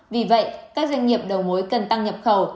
vì vậy các doanh nghiệp đầu mối cần tăng nhập khẩu